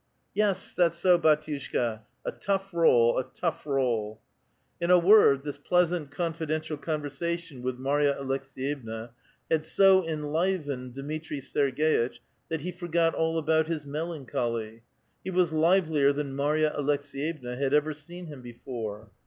" Yes, that's so, bdtiushka, a tough roll, a tough roll !" In a word, this pleasant, confidential conversation with Marya Aleks^yevna had so enlivened Dmitri Serg^itch that he forgot all about his melancholy. He was livelier than Marya Aleks^yevna had ever seen him before.